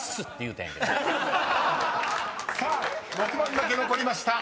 ［さあ６番だけ残りました。